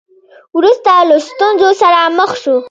وروسته له ستونزو سره مخ شو.